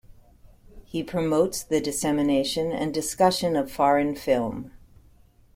He promotes the dissemination and discussion of foreign film.